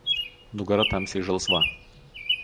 Nugara tamsiai žalsva.